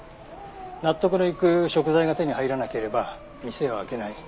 納得のいく食材が手に入らなければ店を開けない。